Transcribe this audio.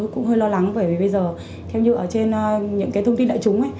cũng hơi lo lắng bởi vì bây giờ theo như ở trên những thông tin đại chúng